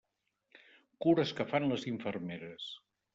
Cures que fan les infermeres.